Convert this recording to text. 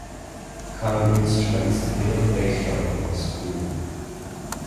Conn Instruments to build a bass drum for the school.